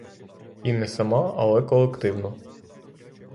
І не сама, але колективно.